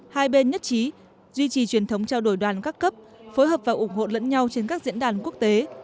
hai bên nhất trí duy trì truyền thống trao đổi đoàn các cấp phối hợp và ủng hộ lẫn nhau trên các diễn đàn quốc tế